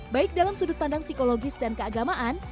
baik dalam sudut pandang psikologis dan keagamaan